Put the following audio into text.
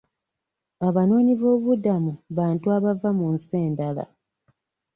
Abanoonyiboobubudamu bantu abava mu nsi endala.